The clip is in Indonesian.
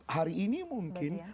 hari ini mungkin